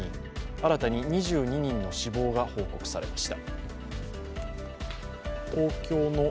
新たに２２人の死亡が報告されました。